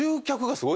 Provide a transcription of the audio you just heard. すごい。